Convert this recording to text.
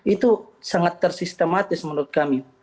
itu sangat tersistematik